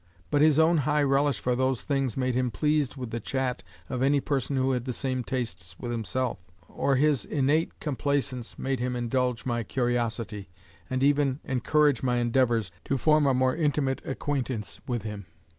But his own high relish for those things made him pleased with the chat of any person who had the same tastes with himself; or his innate complaisance made him indulge my curiosity, and even encourage my endeavors to form a more intimate acquaintance with him.